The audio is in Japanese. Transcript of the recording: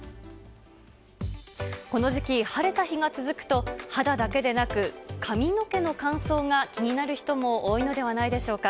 この時期、晴れた日が続くと、肌だけでなく、髪の毛の乾燥が気になる人も多いのではないでしょうか。